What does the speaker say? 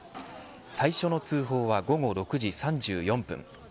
最初の通報は午後６時３４分。